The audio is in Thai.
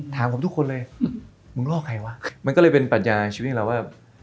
ถามผมทุกคนเลยมึงลอกใครวะมันก็เลยเป็นปัญญาชีวิตเราว่า